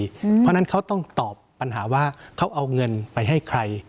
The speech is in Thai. เพราะฉะนั้นเขาต้องตอบปัญหาว่าเขาเอาเงินไปให้ใคร